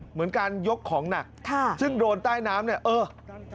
เหมือนการยกของหนักค่ะซึ่งโดนใต้น้ำเนี่ยเออ